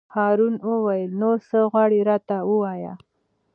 هارون وویل: نور څه غواړې راته ووایه.